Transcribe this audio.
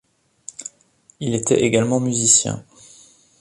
Il était également musicien.